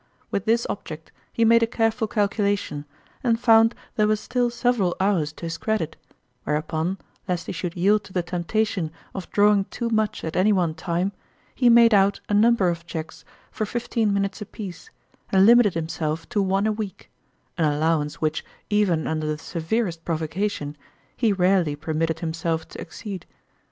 "With this object he made a careful calculation, and found there were still sev eral hours to his credit; whereupon, lest he should yield to the temptation of drawing too much at any one time, he made out a num ber of cheques for fifteen minutes apiece, and limited himself to one a week an allowance which, even under the severest provocation, he rarely permitted himself to exceed.